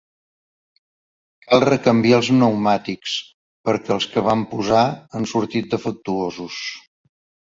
Cal recanviar els pneumàtics, perquè els que vam posar han sortit defectuosos.